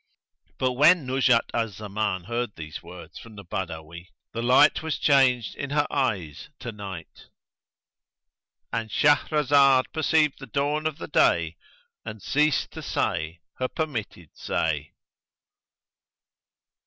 But when Nuzhat al Zaman heard these words from the Badawi, the light was changed in her eyes to night.—And Shahrazad perceived the dawn of day and ceased to say her permitted say.